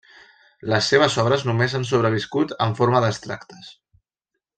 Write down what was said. Les seves obres només han sobreviscut en forma d'extractes.